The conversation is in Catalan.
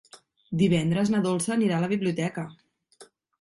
Divendres na Dolça irà a la biblioteca.